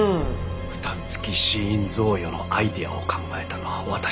負担付死因贈与のアイデアを考えたのは私です。